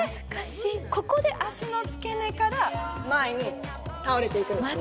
ここで脚の付け根から前に倒れていくんですね